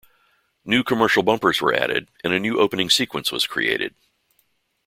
New commercial bumpers were added and a new opening sequence was created.